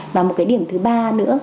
và một cái điểm thứ ba nữa